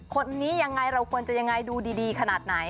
คนนี้ยังไงเราควรจะยังไงดูดีขนาดไหน